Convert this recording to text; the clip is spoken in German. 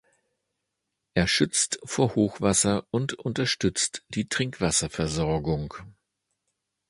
Er schützt vor Hochwasser und unterstützt die Trinkwasserversorgung.